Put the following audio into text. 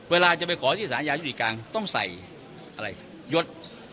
เวลาจะไปขอที่สารอาญาทุจริตกลางต้องใส่ยด